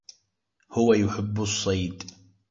هو يحب الصيد.